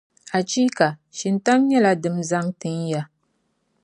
Achiika! Shintaŋ nyɛla dim’ zaŋ tin ya.